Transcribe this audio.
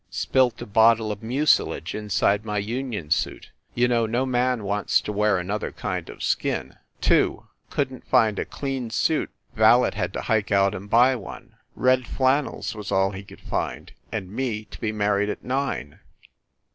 Spilt a bottle of mucilage inside my union suit you know no man wants to wear another kind of skin. 2. Couldn t find a clean suit ; valet had to hike out and buy one. Red flannels was all he could find, and me to be married at nine